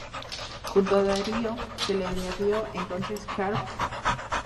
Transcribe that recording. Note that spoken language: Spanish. Junto a Dario se le añadió entonces Karl Pov.